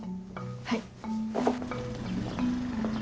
はい。